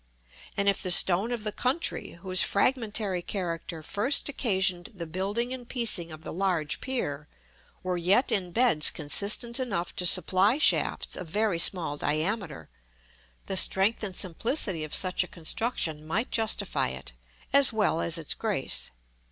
And if the stone of the country, whose fragmentary character first occasioned the building and piecing of the large pier, were yet in beds consistent enough to supply shafts of very small diameter, the strength and simplicity of such a construction might justify it, as well as its grace.